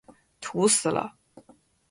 土死了！